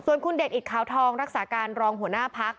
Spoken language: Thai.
ส่วนคุณเดชอิดขาวทองรักษาการรองหัวหน้าพัก